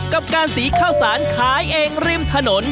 กับการสีข้าวสารขายเองริมถนน